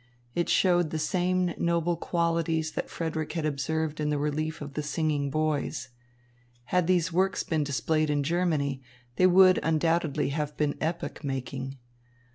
It showed the same noble qualities that Frederick had observed in the relief of the singing boys. Had these works been displayed in Germany, they would undoubtedly have been epoch making.